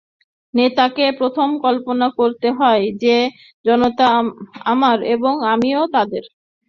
নেতাকে প্রথমে কল্পনা করতে হয় যে এই জনতা আমার এবং আমিও তাদের।